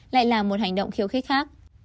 lại là một hành động khiêu khích khác